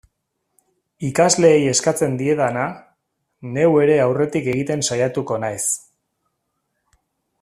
Ikasleei eskatzen diedana, neu ere aurretik egiten saiatuko naiz.